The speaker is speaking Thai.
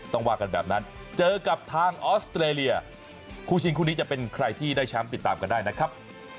ว่ากันแบบนั้นเจอกับทางออสเตรเลียคู่ชิงคู่นี้จะเป็นใครที่ได้แชมป์ติดตามกันได้นะครับ